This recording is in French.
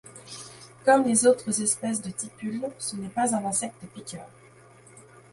Comme les autres espèces de tipules, ce n'est pas un insecte piqueur.